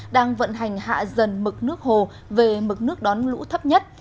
đang vận hành hạ dần mực nước hồ về mực nước đón lũ thấp nhất